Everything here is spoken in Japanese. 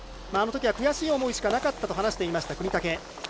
あのときは悔しい思いしかなかったと話していました、國武。